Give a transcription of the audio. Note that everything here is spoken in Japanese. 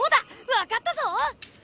わかったぞ！